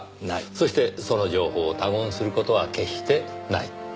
そしてその情報を他言する事は決してない。